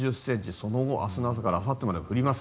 その後、明日の朝からあさってまでは降ります。